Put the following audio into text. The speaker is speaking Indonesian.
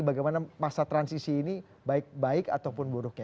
bagaimana masa transisi ini baik baik ataupun buruknya